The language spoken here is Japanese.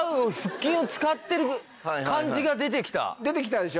出てきたでしょ？